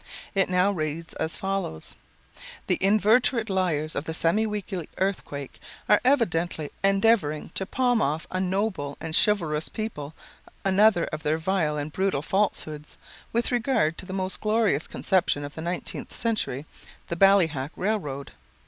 It now reads as follows: "The inveterate liars of the Semi Weekly Earthquake are evidently endeavoring to palm off upon a noble and chivalrous people another of their vile and brutal falsehoods with regard to the most glorious conception of the nineteenth century, the Ballyhack Railroad.